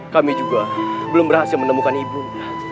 kami juga belum berhasil menemukan ibu